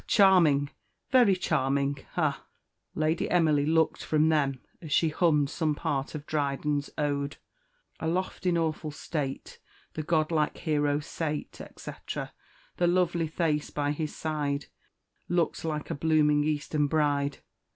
Charming very charming, ah!" Lady Emily looked from them as she hummed some part of Dryden's Ode "Aloft in awful state The godlike hero sate, etc. The lovely Thais by his side, Look'd like a blooming Eastern bride."